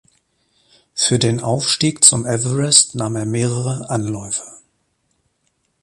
Für den Aufstieg zum Everest nahm er mehrere Anläufe.